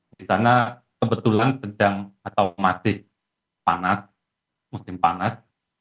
di sana kebetulan sedang atau masih panas musim panas